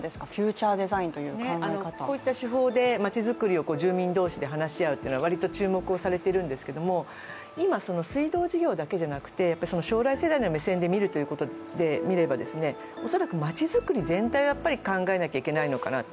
こういった手法で町作りを住民同士で話し合うというのは割と注目されているんですが、今、水道事業だけじゃなくて、将来世代の目線で見るということでみれば恐らく町づくり全体を考えなくちゃいけないのかなと。